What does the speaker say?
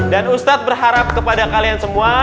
dan ustadz berharap kepada kalian semua